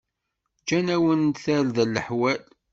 Ǧǧan-awen-d tarda leḥwal.